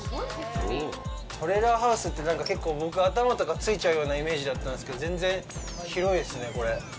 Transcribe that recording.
トレーラーハウスって僕、頭とかついちゃうようなイメージだったんですけど全然広いですね、これ。